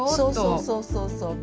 そうそうそうそう。